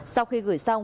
sau khi gửi xong